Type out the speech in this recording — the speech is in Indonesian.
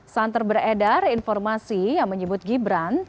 santer beredar informasi yang menyebut gibran